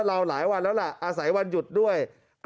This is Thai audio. เราหลายวันแล้วล่ะอาศัยวันหยุดด้วย